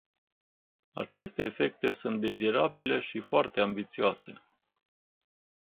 Aceste efecte sunt dezirabile și foarte ambițioase.